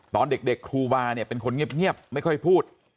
ตอนเด็กครูบาเนี่ยเป็นคนเงียบไม่ค่อยพูด